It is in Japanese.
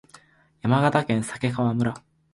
山形県鮭川村